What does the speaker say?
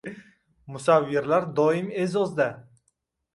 Musavvirlar doim e’zozda